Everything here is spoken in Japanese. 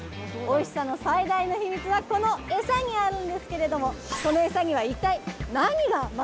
おいしさの最大の秘密はこのエサにあるんですけれどもこのエサには一体何が混ざっているでしょうか。